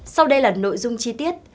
sau đây là nội dung chi tiết